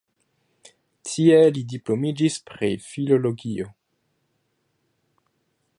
Tie li diplomiĝis pri filologio.